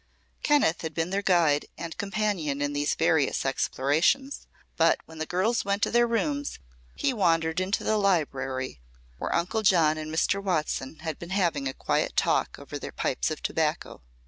Kenneth had been their guide and companion in these various explorations, but when the girls went to their rooms he wandered into the library where Uncle John and Mr. Watson had been having a quiet talk over their pipes of tobacco.